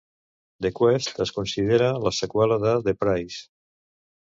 "The Quest" es considera la seqüela de "The Prize".